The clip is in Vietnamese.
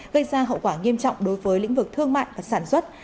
gây ra hậu quả nghiêm trọng đối với lĩnh vực thương mại và sản xuất